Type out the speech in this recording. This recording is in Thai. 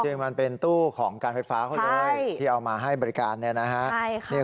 จริงมันเป็นตู้ของการไฟฟ้าเขาเลยที่เอามาให้บริการเนี่ยนะฮะ